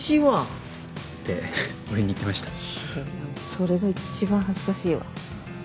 それが一番恥ずかしいわ。